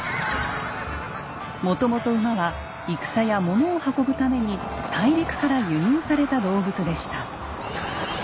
もともと馬は戦や物を運ぶために大陸から輸入された動物でした。